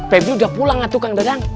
pebi udah pulang tuh kang dadang